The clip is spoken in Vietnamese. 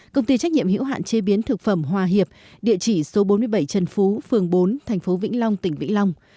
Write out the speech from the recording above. công ty trách nhiệm hiểu hạn chế biến thực phẩm hòa hiệp địa chỉ số bốn mươi bảy trần phú phường bốn thành phố vĩnh long tỉnh vĩnh long